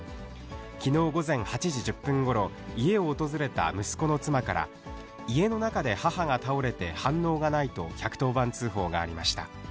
きのう午前８時１０分ごろ、家を訪れた息子の妻から、家の中で母が倒れて反応がないと、１１０番通報がありました。